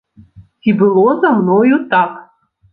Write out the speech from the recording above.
Ці было за мною так?